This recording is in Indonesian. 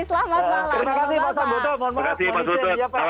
ini mungkin diskusinya nanti pak sambodo sama mas putut bisa dilanjutkan sambil goes aja ya